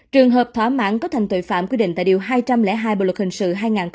trường hợp thỏa mãn cấu thành tội phạm quy định tại điều hai trăm linh hai bộ luật hình sự hai nghìn một mươi năm